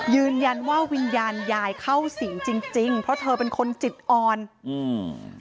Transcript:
ยืนยันว่าวิญญาณยายเข้าสิงจริงจริงเพราะเธอเป็นคนจิตอ่อนอืม